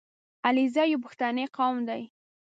• علیزي یو پښتني قوم دی.